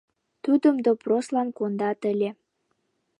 Тудым допрослан кондат ыле.